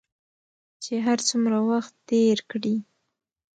چې هر څومره وخت تېر کړې